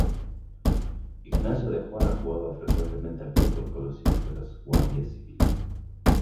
Ignacio de Juana jugaba frecuentemente al fútbol con los hijos de los guardias civiles.